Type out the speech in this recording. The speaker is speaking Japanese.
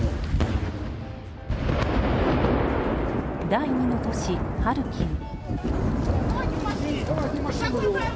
第２の都市ハルキウ。